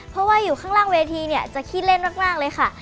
เพราะว่าอยู่ข้างล่างเวทีเนี่ยจะขี้เล่นมากเลยค่ะ